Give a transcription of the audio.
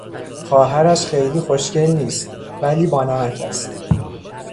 خواهرش خیلی خوشگل نیست ولی بانمک است.